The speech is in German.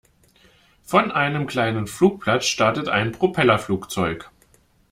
Von einem kleinen Flugplatz startet ein Propellerflugzeug.